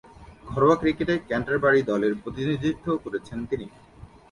ঘরোয়া ক্রিকেটে ক্যান্টারবারি দলের প্রতিনিধিত্ব করছেন তিনি।